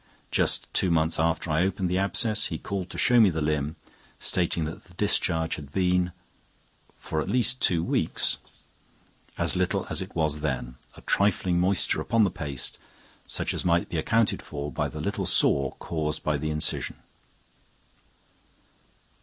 Just two months after I opened the abscess, he called to show me the limb, stating that the discharge had been, for at least two weeks, as little as it was then, a trifling moisture upon the paste, such as might be accounted for by the little sore caused by the incision.